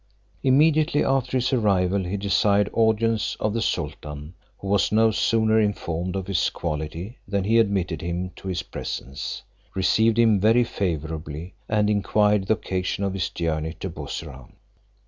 Immediately after his arrival he desired audience of the sultan, who was no sooner informed of his quality than he admitted him to his presence, received him very favourably, and inquired the occasion of his journey to Bussorah.